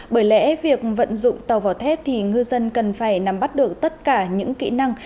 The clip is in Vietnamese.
bởi lẽ việc vận dụng tàu vỏ thép thì ngư dân cần phải nắm bắt được tất cả những kỹ năng